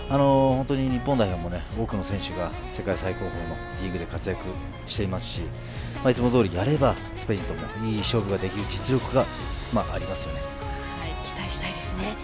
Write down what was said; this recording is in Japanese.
ほんとに日本代表も多くの選手が世界最高峰のリーグで活躍していますしいつもどおりやればスペインといい勝負ができる実力がありますので期待したいですね。